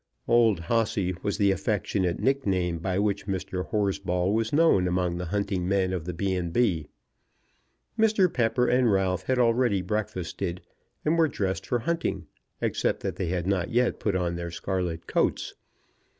Old Hossy was the affectionate nickname by which Mr. Horsball was known among the hunting men of the B. B. Mr. Pepper and Ralph had already breakfasted, and were dressed for hunting except that they had not yet put on their scarlet coats.